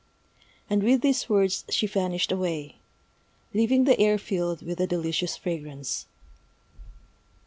And with these words she vanished away, leaving the air filled with a delicious fragrance.